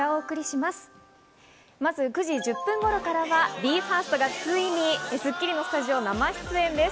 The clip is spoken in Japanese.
まず９時１０分頃からはＢＥ：ＦＩＲＳＴがついに『スッキリ』のスタジオ生出演です。